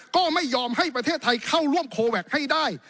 ก็ไม่ยอมให้ประเทศไทยเข้าร่วมโคแวคให้ได้